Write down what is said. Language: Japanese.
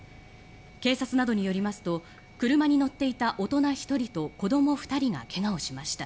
警察などによりますと車に乗っていた大人１人と子ども２人が怪我をしました。